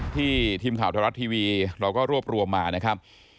ทีมข่าวไทยรัฐทีวีเราก็รวบรวมมานะครับ